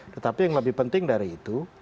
tetapi yang lebih penting dari itu